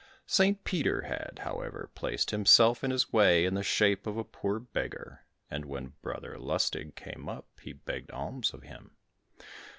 St. Peter had, however, placed himself in his way in the shape of a poor beggar, and when Brother Lustig came up, he begged alms of him.